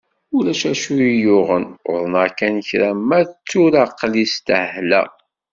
Uac acu iyi-yuɣen, uḍneɣ kan kra, ma d tura aql-i staḥlaɣ.